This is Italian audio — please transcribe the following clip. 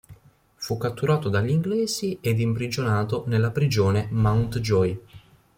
Fu catturato dagli inglesi ed imprigionato nella prigione MountJoy.